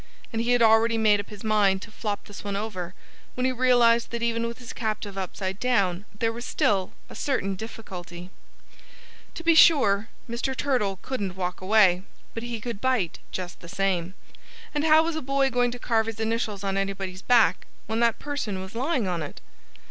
And he had already made up his mind to flop this one over when he realized that even with his captive upside down there was still a certain difficulty. To be sure, Mr. Turtle couldn't walk away. But he could bite just the same. And how was a boy going to carve his initials on anybody's back, when that person was lying on it?